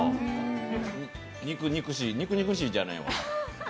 肉肉しい肉肉しいじゃないわ。